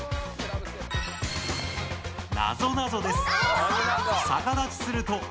なぞなぞです。